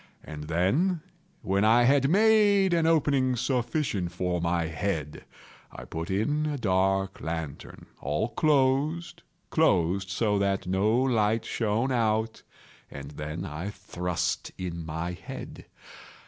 And then, when I had made an opening sufficient for my head, I put in a dark lantern, all closed, closed, that no light shone out, and then I thrust in my head.